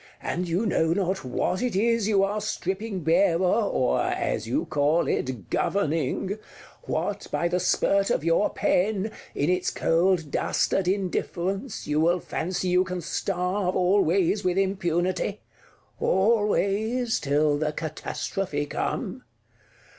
And you know not what it is you are stripping barer, or as you call it, governing; what by the spurt of your pen, in its cold dastard indifference, you will fancy you can starve always with impunity; always till the catastrophe come!